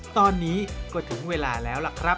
ตอนนี้ก็ถึงเวลาแล้วล่ะครับ